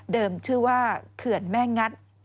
ชื่อว่าเขื่อนแม่งัด